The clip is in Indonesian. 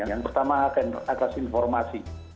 yang pertama atas informasi